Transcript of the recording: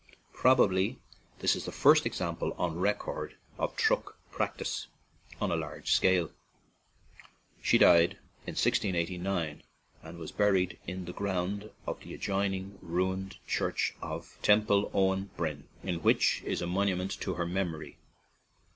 Probably this is the first example on record of truck practice on a large scale. She died in 1689, and was buried in the ground of the adjoining ruined church of Teampull Oen Bryn, in which is a monu ment to her memory.